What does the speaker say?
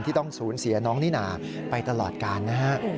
ที่ต้องศูนย์เสียน้องนิน่าไปตลอดกันนะครับ